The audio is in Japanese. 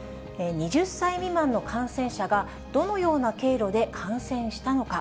２０歳未満の感染者が、どのような経路で感染したのか。